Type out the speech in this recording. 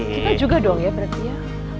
kita juga dong ya berarti ya